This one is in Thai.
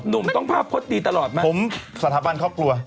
หนุ่มต้องภาพพจน์ดีตลอดไหมผมสถาบันครอบครัว